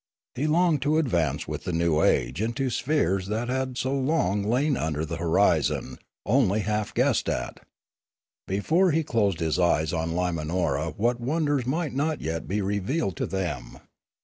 He longed to advance with the new age into spheres that had so long lain under the horizon, 354 Death 355 only half guessed at. Before he closed his eyes on Limanora what wonders might not yet be revealed to them